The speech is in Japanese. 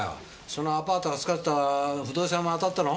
そのアパートを扱ってた不動産屋も当たったの？